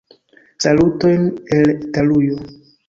Salutojn el Italujo.